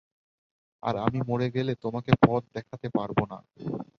আর আমি মরে গেলে, তোমাকে পথ দেখাতে পারব না।